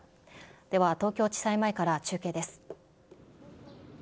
では東京地裁前から中継です。